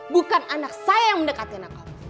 bukan anak saya yang mendekati anak kamu